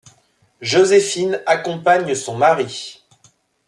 Joséphine accompagne son mari.